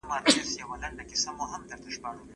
حقوقپوهان چیري نړیوالي غونډي تنظیموي؟